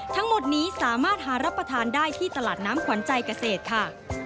ทั้งหมดนี้สามารถหารับประทานได้ที่ตลาดน้ำขวัญใจเกษตรค่ะ